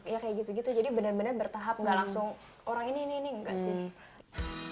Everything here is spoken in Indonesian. ya kayak gitu gitu jadi benar benar bertahap gak langsung orang ini ini ini enggak sih